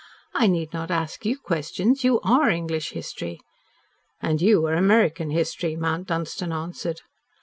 "I need not ask you questions. You ARE English history." "And you are American history," Mount Dunstan answered.